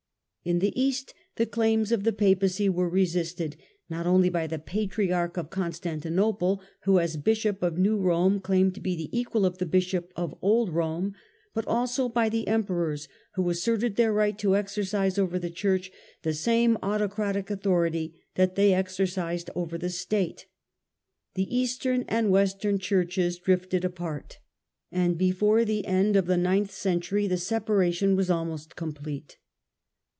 In the East the claims of the Papacy were resisted, not only by the Patriarch of Constantinople, who as Bishop of New Rome claimed to be the equal of the Bishop of Old Rome, but also by the emperors, who asserted their right to exercise over the Church the same autocratic authority that they exercised over the State. The Eastern and Western Churches drifted apart, and before the end of the ninth century the separa tion was almost complete.